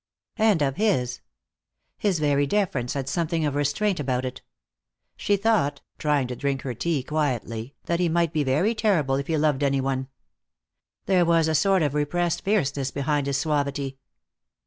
And of his. His very deference had something of restraint about it. She thought, trying to drink her tea quietly, that he might be very terrible if he loved any one. There was a sort of repressed fierceness behind his suavity.